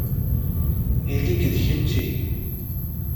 Ili-k d kečči.